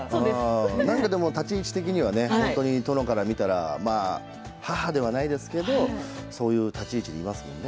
立ち位置的には殿から見たら、母ではないですけれどそういう立ち位置にいますもんね。